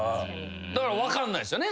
だから分かんないですよね